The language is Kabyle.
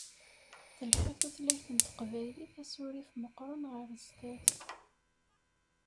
Telḥa tutlayt n Tmaziɣt asurif meqqren ɣer sdat.